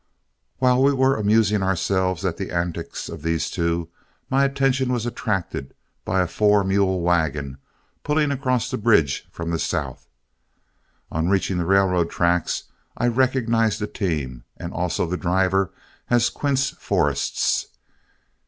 While we were amusing ourselves at the antics of these two, my attention was attracted by a four mule wagon pulling across the bridge from the south. On reaching the railroad tracks, I recognized the team, and also the driver, as Quince Forrest's.